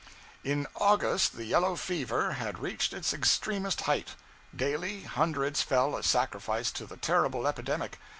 'In August the yellow fever had reached its extremest height. Daily, hundreds fell a sacrifice to the terrible epidemic.